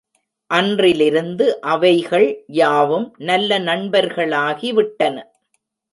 அன்றிலிருந்து அவைகள் யாவும் நல்ல நண்பர்களாகி விட்டன.